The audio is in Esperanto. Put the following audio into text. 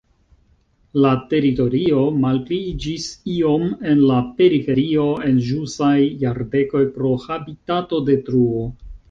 La teritorio malpliiĝis iom en la periferio en ĵusaj jardekoj pro habitatodetruo.